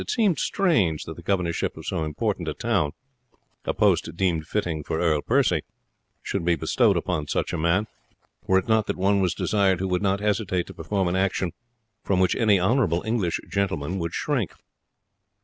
It seemed strange that the governorship of so important a town a post deemed fitting for Earl Percy should be bestowed on such a man, were it not that one was desired who would not hesitate to perform an action from which any honourable English gentleman would shrink.